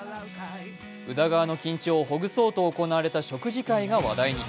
宇田川の緊張をほぐそうと行われた食事会が話題に。